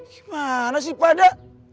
gimana sih pada